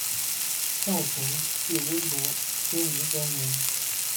邵畴，字温伯，孙吴官员。